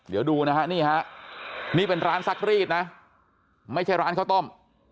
เดี๋ยวดูนะฮะนี่ฮะนี่เป็นร้านซักรีดนะไม่ใช่ร้านข้าวต้ม